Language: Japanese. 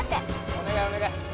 お願いお願い。